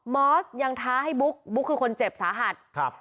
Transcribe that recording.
อสยังท้าให้บุ๊กบุ๊กคือคนเจ็บสาหัสครับ